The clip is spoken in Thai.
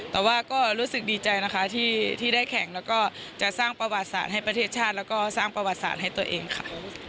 แต่ว่าก็รู้สึกดีใจนะคะที่ได้แข่งแล้วก็จะสร้างประวัติศาสตร์ให้ประเทศชาติแล้วก็สร้างประวัติศาสตร์ให้ตัวเองค่ะ